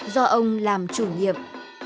do ông làm chủ nhiệm